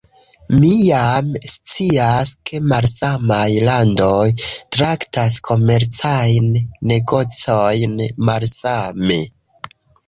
Mi jam scias, ke malsamaj landoj traktas komercajn negocojn malsame